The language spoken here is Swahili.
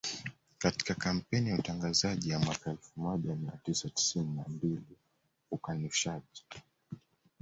Katika kampeni ya utangazaji ya mwaka elfu moja mia tisa tisini na mbili ukanushaji